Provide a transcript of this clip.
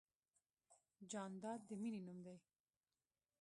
جانداد د مینې نوم دی.